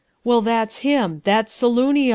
Well, that's him! That's Saloonio!"